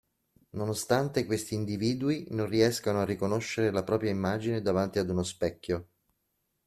Nonostante questi individui non riescano a riconoscere la propria immagine davanti ad uno specchio.